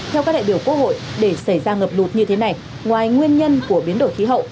theo các đại biểu quốc hội để xảy ra ngập lụt như thế này ngoài nguyên nhân của biến đổi khí hậu